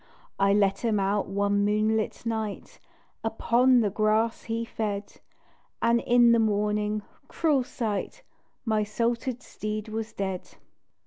I let him out one moonlight night Upon the grass he fed And in the morning, cruel sight! My salted steed was DEAD.